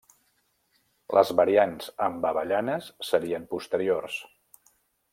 Les variants amb avellanes serien posteriors.